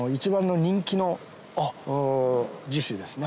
の樹種ですね。